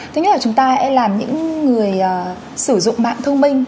thứ nhất là chúng ta hãy làm những người sử dụng mạng thông minh